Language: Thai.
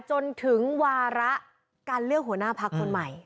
จนถึงวาระการเลือกหัวหน้าพักคนใหม่